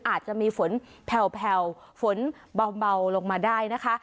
อาจจะมีฝนแผ่วฝนเบาลงมาได้นะคะ